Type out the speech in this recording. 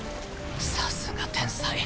さすが天才